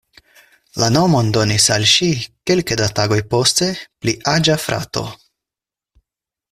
La nomon donis al ŝi kelke da tagoj poste pli aĝa frato.